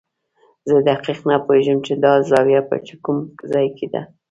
زه دقیق نه پوهېږم چې دا زاویه په کوم ځای کې ده.